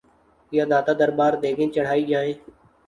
یا داتا دربار دیگیں چڑھائی جائیں؟